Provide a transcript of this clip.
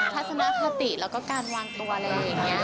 กับสมกติและการวางตัวอะไรอย่างนี้